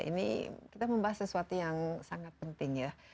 ini kita membahas sesuatu yang sangat penting ya